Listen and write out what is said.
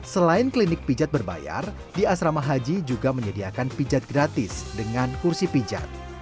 selain klinik pijat berbayar di asrama haji juga menyediakan pijat gratis dengan kursi pijat